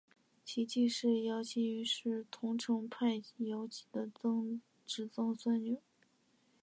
其继室姚倚云是桐城派姚鼐的侄曾孙女。